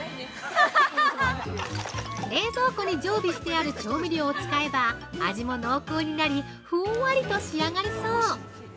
冷蔵庫に常備してある調味料を使えば味も濃厚になりふんわりと仕上がるそう。